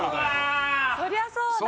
そりゃそうだ！